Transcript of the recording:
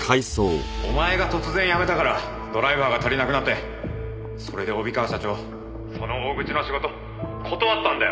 お前が突然辞めたからドライバーが足りなくなってそれで帯川社長その大口の仕事断ったんだよ。